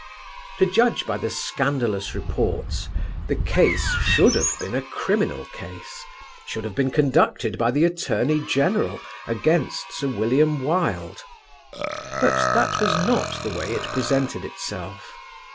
To judge by the scandalous reports, the case should have been a criminal case, should have been conducted by the Attorney General against Sir William Wilde; but that was not the way it presented itself.